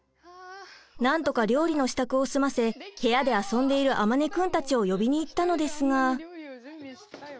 なんとか料理の支度を済ませ部屋で遊んでいる周くんたちを呼びに行ったのですが。